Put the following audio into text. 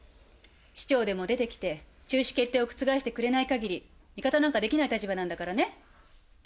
市長でも出てきて中止決定を覆してくれないかぎり味方なんかできない立場なんだからね。